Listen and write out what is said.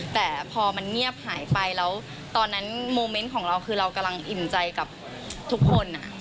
แต่พอมันเงียบหายไปแล้วตอนนั้นโมเมนต์ของเราคือเรากำลังอิ่มใจกับทุกคน